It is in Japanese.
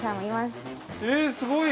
◆すごい。